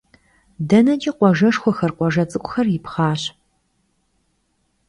Deneç'i khuajjeşşxuexer, khuajje ts'ık'uxer yipxhaş.